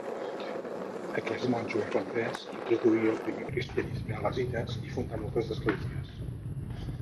Aquest monjo irlandès introduí el primer cristianisme a les illes i fundà moltes esglésies.